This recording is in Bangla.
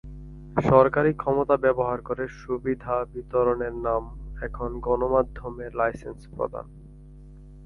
সরকারি ক্ষমতা ব্যবহার করে সুবিধা বিতরণের নাম এখন গণমাধ্যমের লাইসেন্স প্রদান।